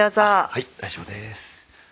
はい大丈夫です。